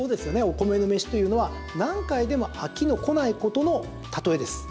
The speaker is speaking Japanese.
米の飯というのは、何回でも飽きの来ないことの例えです。